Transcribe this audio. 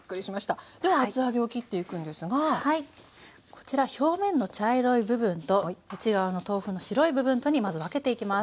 こちら表面の茶色い部分と内側の豆腐の白い部分とにまず分けていきます。